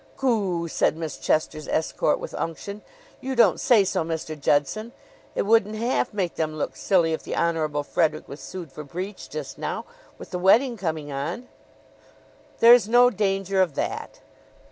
"Goo'," said Miss Chester's escort with unction. "You don't say so, Mr. Judson! It wouldn't half make them look silly if the Honorable Frederick was sued for breach just now, with the wedding coming on!" "There is no danger of that."